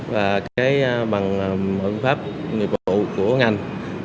và cái bằng mở pháp người bảo vệ của ngành